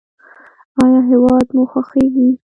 ایا هیواد مو خوښیږي؟